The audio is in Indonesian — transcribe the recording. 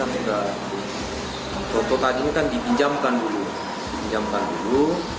protokol tadi kan dipinjamkan dulu